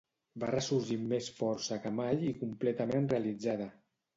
Va ressorgir amb més força que mai i completament realitzada.